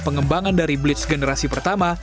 pengembangan dari blitz generasi pertama